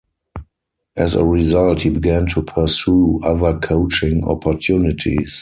As a result, he began to pursue other coaching opportunities.